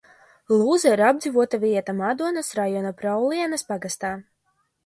Lūza ir apdzīvota vieta Madonas rajona Praulienas pagastā.